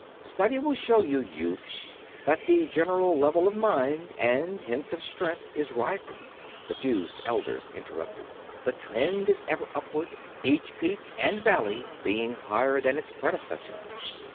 "Study will show you, youth, that the general level of mind, and hence of strength, is rising," the fused Elders interrupted. "The trend is ever upward; each peak and valley being higher than its predecessor.